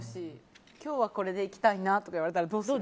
今日はこれでいきたいなとか言われたら、どうする？